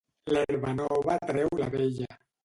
L'herba nova treu la vella.